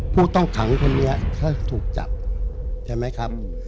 ผู้ต้องขังคนนี้ก็ถูกจับใช่ไหมครับ